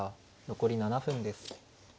残り７分です。